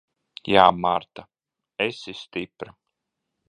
Jā, Marta. Esi stipra.